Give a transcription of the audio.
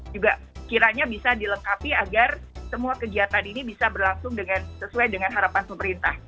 juga kiranya bisa dilengkapi agar semua kegiatan ini bisa berlangsung sesuai dengan harapan pemerintah